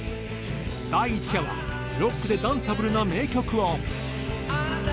第１夜はロックでダンサブルな名曲を。